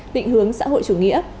định hướng xã hội chủ nghĩa